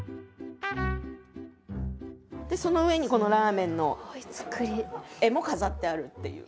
でその上にこのラーメンの絵も飾ってあるっていう。